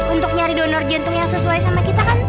untuk nyari donor jantung yang sesuai sama kita kan